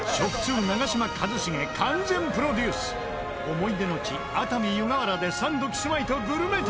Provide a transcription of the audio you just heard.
思い出の地熱海・湯河原でサンドキスマイとグルメ旅。